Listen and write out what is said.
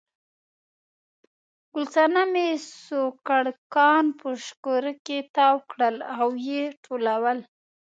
ګل صنمې سوکړکان په شکري کې تاو کړل او یې ټولول.